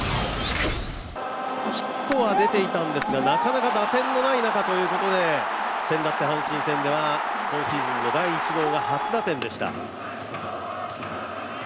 ヒットは出ていたんですがなかなか打点のない中という中で先だって阪神戦では今シーズンの第１号が初打点でした。